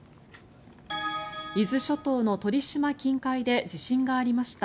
伊豆諸島の鳥島近海で地震がありました。